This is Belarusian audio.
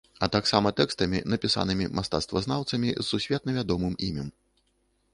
А таксама тэкстамі, напісанымі мастацтвазнаўцамі з сусветна вядомым імем.